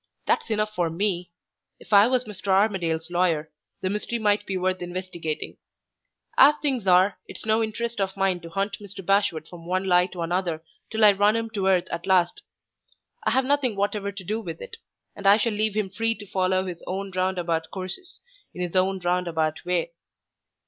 That's enough for me. If I was Mr. Armadale's lawyer, the mystery might be worth investigating. As things are, it's no interest of mine to hunt Mr. Bashwood from one lie to another till I run him to earth at last. I have nothing whatever to do with it; and I shall leave him free to follow his own roundabout courses, in his own roundabout way."